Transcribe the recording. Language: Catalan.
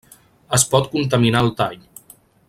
Es pot contaminar el tall.